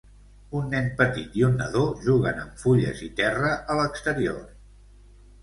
Un nen petit i un nadó juguen amb fulles i terra a l'exterior